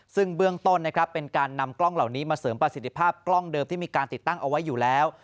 ซึ่งเบื้องต้นนะครับเป็นการนำกล้องเหล่านี้มาเสริมประสิทธิภาพกล้องเดิมที่มีการติดตั้งเอาไว้อยู่แล้ว